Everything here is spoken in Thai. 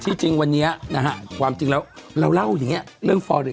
จริงวันนี้นะฮะความจริงแล้วเราเล่าอย่างนี้เรื่องฟอริก